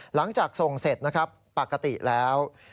หลังจากส่งเสร็จนะครับปกติแล้ว